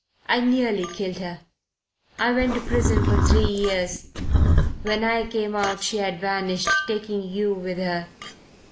I nearly killed her. I went to prison for three years. When I came out she had vanished, taking you with her.